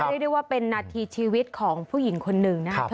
เรียกได้ว่าเป็นนาทีชีวิตของผู้หญิงคนหนึ่งนะครับ